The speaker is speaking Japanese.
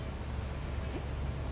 えっ？